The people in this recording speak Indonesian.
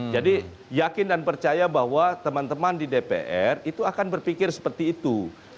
jadi yakin dan percaya bahwa teman teman di dpr itu akan berpikir seperti itu